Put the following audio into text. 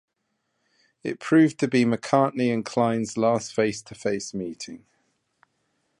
This proved to be McCartney and Klein's last face-to-face meeting.